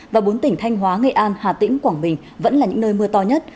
và bốn tỉnh thanh hóa nghệ an hà tĩnh quảng bình vẫn là những nơi mưa to nhất